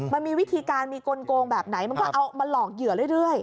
มันมีวิธีการมีกลงแบบไหนมันก็เอามาหลอกเหยื่อเรื่อย